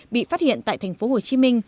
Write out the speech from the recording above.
bị phát hiện tại tp hcm